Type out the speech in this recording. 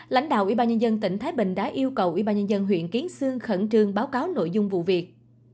lãnh đạo ubnd tỉnh thái bình đã yêu cầu ubnd huyện kiến sương khẩn trương báo cáo nội dung vụ việc